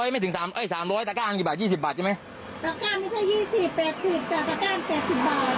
ถ้าแทน๓๕บาท